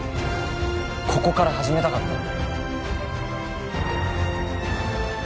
ここから始めたかったんだよ